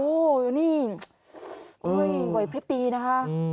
โอ้นี่เฮ้ยเวยพฤตีนะฮะ